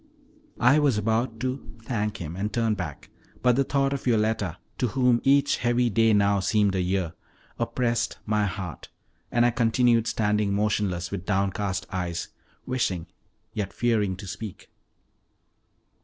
I was about to thank him and turn back, but the thought of Yoletta, to whom each heavy day now seemed a year, oppressed by heart, and I continued standing motionless, with downcast eyes, wishing, yet fearing, to speak.